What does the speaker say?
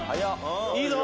いいぞ！